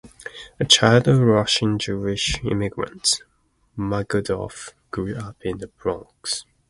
A child of Russian-Jewish immigrants, Magdoff grew up in the Bronx.